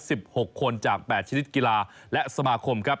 และ๑๖คนจาก๘ชนิดกีฬาและสมาคม